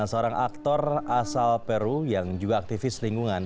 seorang aktor asal peru yang juga aktivis lingkungan